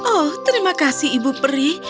oh terima kasih ibu peri